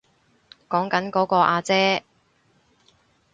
講緊嗰個阿姐